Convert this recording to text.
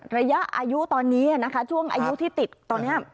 ระยะอายุตอนนี้นะคะช่วงอายุที่ติดตอนนี้